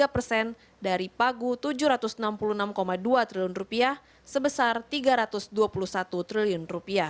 tiga persen dari pagu rp tujuh ratus enam puluh enam dua triliun sebesar rp tiga ratus dua puluh satu triliun